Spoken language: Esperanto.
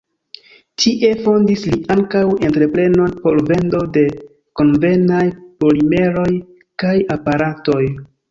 Tie fondis li ankaŭ entreprenon por vendo de konvenaj polimeroj kaj aparatoj.